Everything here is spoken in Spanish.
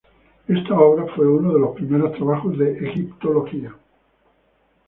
Esta obra fue uno de los primeros trabajos de Egiptología.